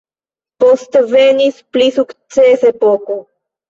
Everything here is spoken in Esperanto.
Poste venis pli sukcesa epoko.